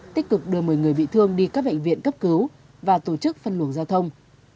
tích cực đưa một mươi người bị thương đi các bệnh viện cấp cứu và tổ chức phân luồng giao thông